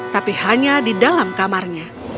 tapi hanya di dalam kamarnya